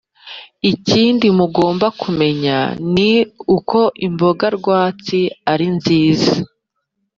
ikindi mugomba kumenya ni uko imboga rwatsi ari nziza